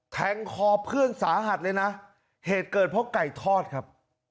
แทงคอเพื่อนสาหัสเลยนะเหตุเกิดเพราะไก่ทอดครับ